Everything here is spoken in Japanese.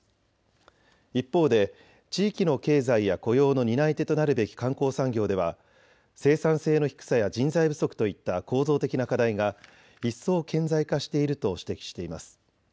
一方で地域の経済や雇用の担い手となるべき観光産業では生産性の低さや人材不足といった構造的な課題が一層顕在化していると指摘しています。